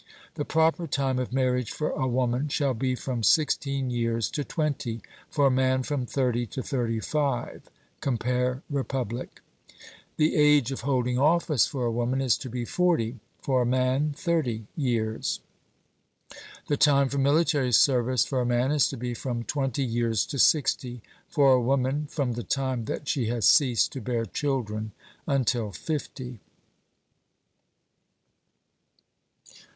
The proper time of marriage for a woman shall be from sixteen years to twenty; for a man, from thirty to thirty five (compare Republic). The age of holding office for a woman is to be forty, for a man thirty years. The time for military service for a man is to be from twenty years to sixty; for a woman, from the time that she has ceased to bear children until fifty.